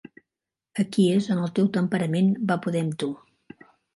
Aquí és on el teu temperament va poder amb tu.